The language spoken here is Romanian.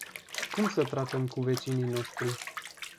Cum să tratăm cu vecinii noștri?